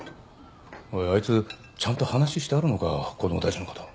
おいあいつちゃんと話してあるのか子供たちのこと。